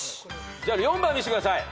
じゃあ４番見せてください。